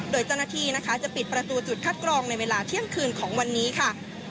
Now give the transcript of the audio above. โดยเจ้าหน้าที่นะคะจะปิดประตูจุดคัดกรองในเวลาเที่ยงคืนของวันนี้ค่ะ